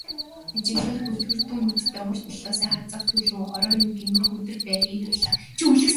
Ажиглавал бүлтгэрдүү нүдтэй урд талаасаа халзайх төлөв ороо юу гэмээр, хүдэр байрын эр байлаа.